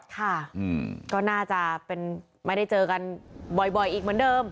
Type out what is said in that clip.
ค่ะก็น่าจะเป็นไม่ได้เจอกันบ่อยอีกเหมือนเดิม